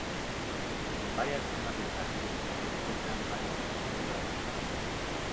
En varias zonas del jardín se encuentran varias esculturas en bronce.